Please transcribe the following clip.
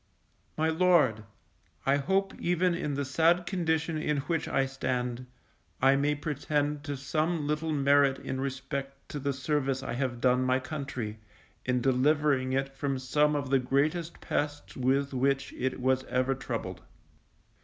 _My Lord, I hope even in the sad condition in which I stand, I may pretend to some little merit in respect to the service I have done my country, in delivering it from some of the greatest pests with which it was ever troubled.